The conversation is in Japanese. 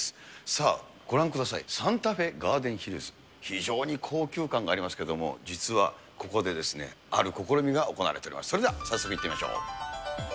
さあ、ご覧ください、サンタフェガーデンヒルズ、非常に高級感がありますけども、実は、ここである試みが行われております。